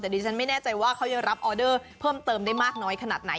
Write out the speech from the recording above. แต่ดิฉันไม่แน่ใจว่าเขายังรับออเดอร์เพิ่มเติมได้มากน้อยขนาดไหน